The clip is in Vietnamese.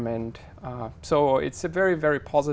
phát triển người